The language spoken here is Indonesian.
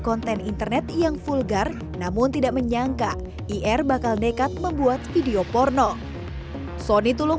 konten internet yang vulgar namun tidak menyangka ir bakal nekat membuat video porno sony tulung